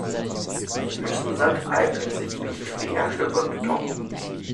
Wüstensand eignet sich nicht für die Herstellung für Beton.